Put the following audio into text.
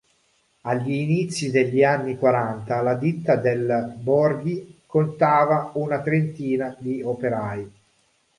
Agli inizi degli anni Quaranta, la ditta del Borghi contava una trentina di operai.